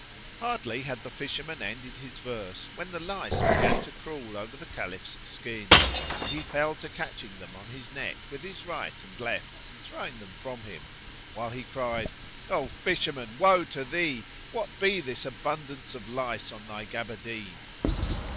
Hardly had the fisherman ended his verse, when the lice began to crawl over the Caliph's skin, and he fell to catching them on his neck with his right and left and throwing them from him, while he cried, "O fisherman, woe to thee! what be this abundance of lice on thy gaberdine."